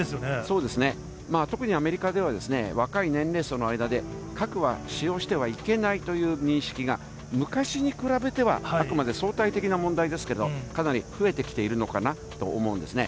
そうですね、特にアメリカでは、若い年齢層の間で、核は使用してはいけないという認識が、昔に比べては、あくまで相対的な問題ですけど、かなり増えてきているのかなと思うんですね。